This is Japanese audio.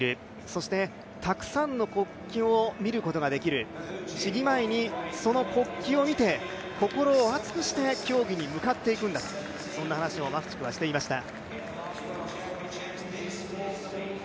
そして、たくさんの国旗を見ることができる試技前にその国旗を見て心を熱くして競技に向かっていくんだとそんな話をマフチクはしていました。